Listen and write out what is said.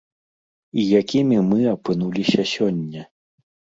І якімі мы апынуліся сёння?